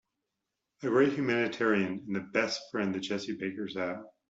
A great humanitarian and the best friend the Jessie Bakers have.